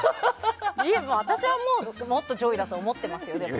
私はもっと上位だと思ってますけどね。